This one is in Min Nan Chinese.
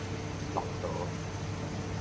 樂跎